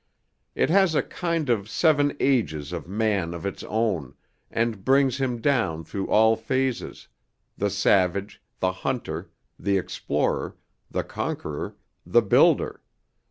It has a kind of seven ages of man of its own, and brings him down through all phases, the savage, the hunter, the explorer, the conqueror, the builder.